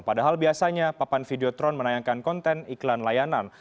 padahal biasanya papan videotron menayangkan konten iklan layanan